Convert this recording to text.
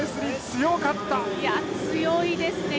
強いですね。